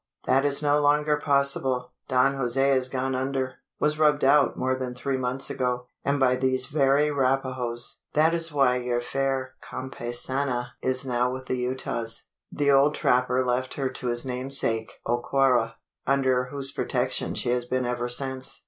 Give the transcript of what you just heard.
That is no longer possible. Don Jose has gone under was rubbed out more than three months ago, and by these very Rapahoes! That is why your fair conpaisana is now with the Utahs. The old trapper left her to his namesake Oaquara under whose protection she has been ever since."